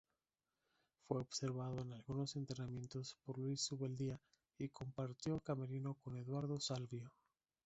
Fue observado en algunos entrenamientos por Luis Zubeldía y compartió camerino con Eduardo Salvio.